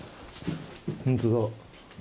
本当だ。